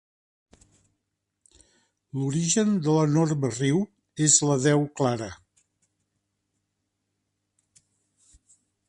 L'origen de l'enorme riu és la deu clara.